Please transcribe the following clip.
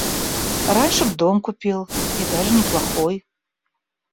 Раньше б дом купил — и даже неплохой.